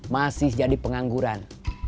masih jadi pengangguran